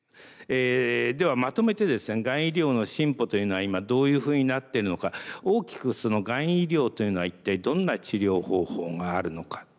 ではまとめてですねがん医療の進歩というのは今どういうふうになっているのか大きくがん医療というのは一体どんな治療方法があるのか。